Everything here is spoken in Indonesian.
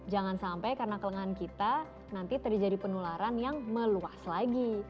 jangan sampai karena kelengahan kita nanti terjadi penularan yang meluas lagi